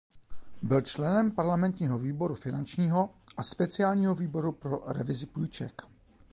Byl členem parlamentního výboru finančního a speciálního výboru pro revizi půjček.